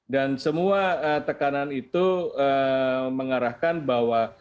dan semua tekanan itu mengarahkan bahwa